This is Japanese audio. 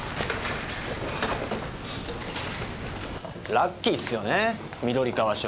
ラッキーっすよね緑川署。